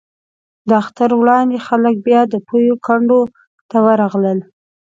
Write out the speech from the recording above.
تر اختر وړاندې خلک بیا د پېوې کنډو ته ورغلل.